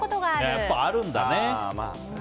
やっぱあるんだね。